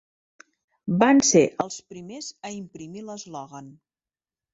Van ser els primers a imprimir l'eslògan.